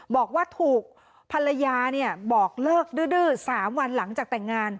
บอกว่าถูกภรรยาเนี่ยบอกเลิกดื้อดื้อสามวันหลังจากแต่งงาน